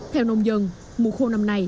theo nông dân mùa khô năm nay